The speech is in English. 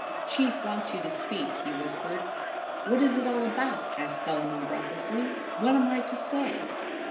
' Chief wants you to speak,' he whispered. 'What is it all about?' asked Bellarmin breathlessly. ' What am I to say